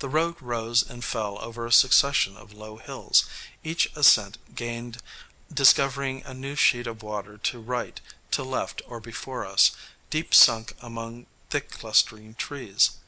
The road rose and fell over a succession of low hills, each ascent gained discovering a new sheet of water to right, to left or before us, deep sunk among thick clustering trees.